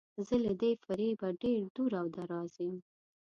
زه له دې فریبه ډیر دور او دراز یم.